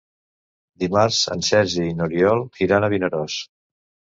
Dimarts en Sergi i n'Oriol iran a Vinaròs.